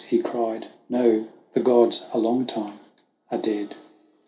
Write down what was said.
He cried, "No, the gods a long time are dead."